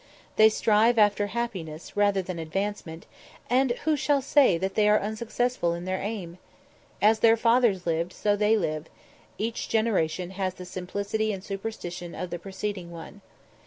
They strive after happiness rather than advancement, and who shall say that they are unsuccessful in their aim? As their fathers lived, so they live; each generation has the simplicity and superstition of the preceding one.